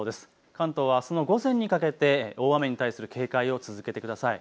関東はあすの午前にかけて大雨に対する警戒を続けてください。